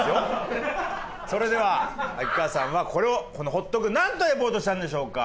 それでは秋川さんはこれをこのホットクなんとリポートしたんでしょうか？